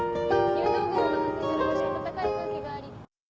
入道雲が発生する場所は暖かい空気があり。